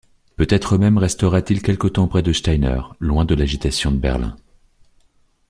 Peut-être même restera-t-il quelque temps auprès de Steiner, loin de l’agitation de Berlin.